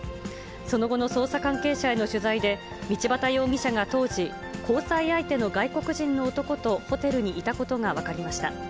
その後の捜査関係者への取材で、道端容疑者が当時、交際相手の外国人の男とホテルにいたことが分かりました。